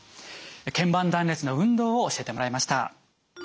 腱板断裂の運動を教えてもらいました。